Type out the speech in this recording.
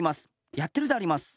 やってるであります。